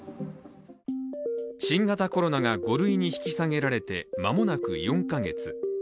新型コロナが５類に引き下げられて間もなく４か月。